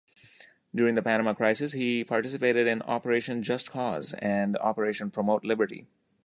During the Panama crisis, he participated in Operation Just Cause and Operation Promote Liberty.